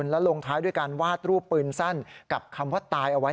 และลงท้ายด้วยการวาดรูปปืนสั้นกับคำว่าตายเอาไว้